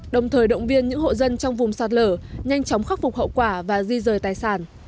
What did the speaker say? đồng thời động viên những hộ dân trong vùng sạt lở nhanh chóng khắc phục hậu quả và di rời tài sản